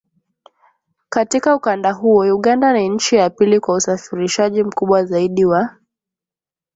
Katika ukanda huo Uganda ni nchi ya pili kwa usafirishaji mkubwa zaidi wa